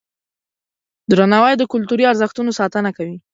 درناوی د کلتوري ارزښتونو ساتنه کوي.